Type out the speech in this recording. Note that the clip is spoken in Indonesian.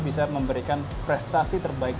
bisa memberikan prestasi terbaik